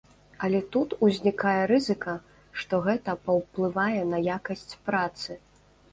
Але тут узнікае рызыка, што гэта паўплывае на якасць працы.